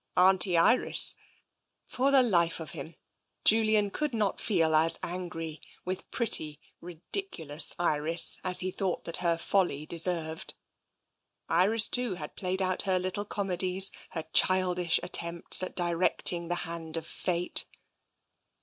Auntie Iris — for the life of him, Julian could not feel as angry with pretty, ridiculous Iris as he thought that her folly deserved — Iris, too, had played out her little comedies, her childish attempts at directing the hand of fate.